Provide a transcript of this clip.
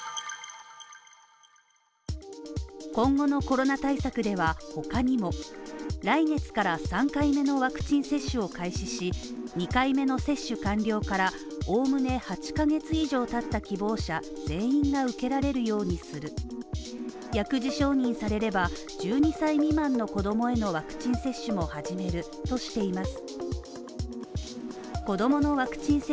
今後のコロナ対策では、他にも来月から３回目のワクチン接種を開始し、２回目の接種完了からおおむね８ヶ月以上たった希望者全員が受けられるようにする薬事承認されれば、１２歳未満の子供へのワクチン接種を始めるとしています。